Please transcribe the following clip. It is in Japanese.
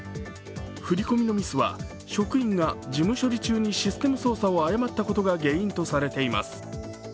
振り込みのミスは職員が事務処理中にシステム操作を誤ったことが原因とされています。